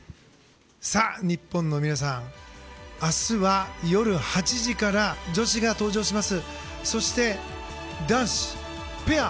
日本の皆さん明日は夜８時から女子が登場します。